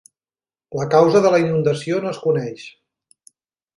La causa de la inundació no es coneix.